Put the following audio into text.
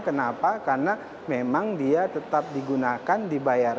kenapa karena memang dia tetap digunakan dibayar